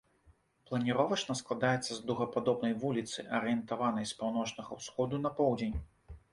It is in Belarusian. Планіровачна складаецца з дугападобнай вуліцы, арыентаванай з паўночнага ўсходу на поўдзень.